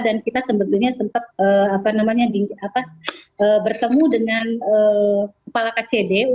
dan kita sebetulnya sempat bertemu dengan kepala kcd